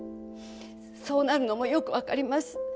そうなるのもよくわかります。